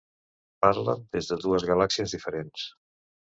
Parlen des de dues galàxies diferents.